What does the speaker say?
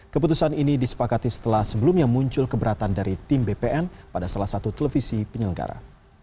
keputusan ini disepakati setelah sebelumnya muncul keberatan dari tim bpn pada salah satu televisi penyelenggara